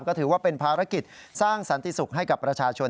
ก็ถือว่าเป็นภารกิจสร้างสันติสุขให้กับประชาชน